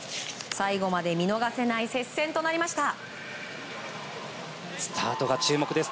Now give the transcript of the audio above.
最後まで見逃せない接戦となりました。